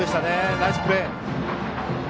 ナイスプレー。